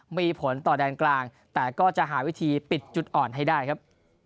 มีผลต่อแดนกลางแต่ก็จะหาวิธีปิดจุดอ่อนให้ได้ครับ